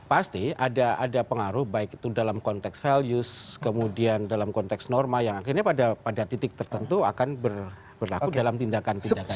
pasti ada pengaruh baik itu dalam konteks values kemudian dalam konteks norma yang akhirnya pada titik tertentu akan berlaku dalam tindakan tindakan